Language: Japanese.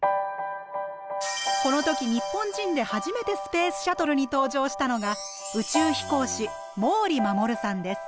この時日本人で初めてスペースシャトルに搭乗したのが宇宙飛行士毛利衛さんです。